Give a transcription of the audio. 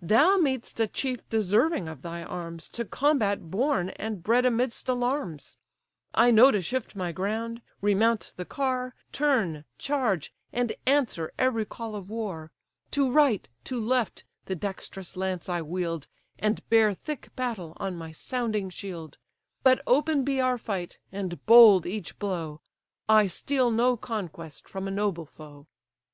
Thou meet'st a chief deserving of thy arms, To combat born, and bred amidst alarms: I know to shift my ground, remount the car, Turn, charge, and answer every call of war; To right, to left, the dexterous lance I wield, And bear thick battle on my sounding shield/ But open be our fight, and bold each blow; I steal no conquest from a noble foe."